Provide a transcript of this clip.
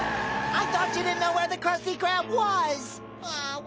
ああ！